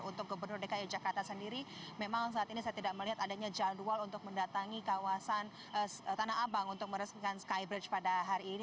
untuk gubernur dki jakarta sendiri memang saat ini saya tidak melihat adanya jadwal untuk mendatangi kawasan tanah abang untuk meresmikan skybridge pada hari ini